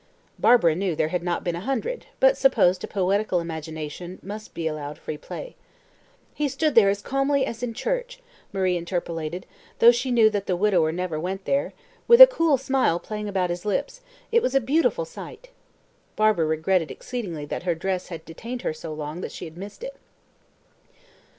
Barbara knew there had not been a hundred, but supposed a poetical imagination must be allowed free play. "He stood there as calmly as in church," Marie interpolated, though she knew that the widower never went there, "with a cool smile playing about his lips it was a beautiful sight;" and Barbara regretted exceedingly that her dress had detained her so long that she had missed it.